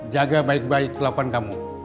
jaga baik baik lakukan kamu